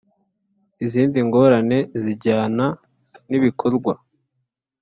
izindi ngorane zijyana n ibikorwa